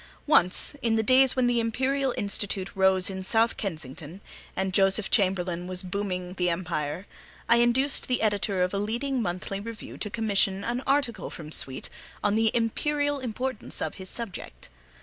Once, in the days when the Imperial Institute rose in South Kensington, and Joseph Chamberlain was booming the Empire, I induced the editor of a leading monthly review to commission an article from Sweet on the imperial importance of his subject.